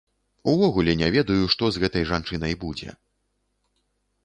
Увогуле не ведаю, што з гэтай жанчынай будзе.